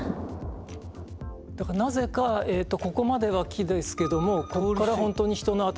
なぜかここまでは木ですけどもここから本当に人の頭